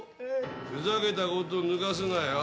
ふざけたこと抜かすなよ。